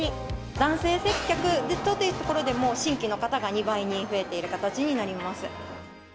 男性接客というところでも、新規の方が２倍に増えている形になります。